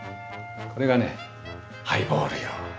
これがねハイボール用。